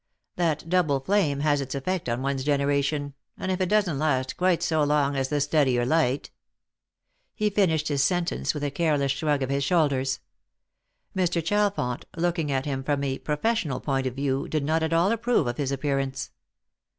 That double flame has its effect on one's generation, and if it doesn't last quite so long as the steadier light " He finished his sentence with a careless shrug of his shoulders. Mr. Chalfont, looking at him from a professional point of view, did not at all approve of his appearance.